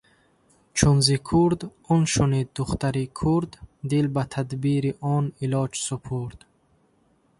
Чун зи курд он шунид духтари курд, Дил ба тадбири он илоҷ супурд.